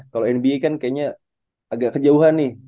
kalau nba kan kayaknya agak kejauhan nih